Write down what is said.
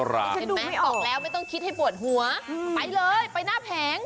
ออกแล้วไม่ต้องคิดให้หัวผมี้ไปเลยไปหน้าแผง